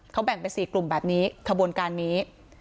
เขาแบ่งเป็น๔กลุ่มแบบนี้ขบวนการนี้